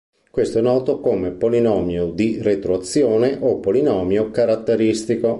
Questo è noto come "polinomio di retroazione "o "polinomio caratteristico".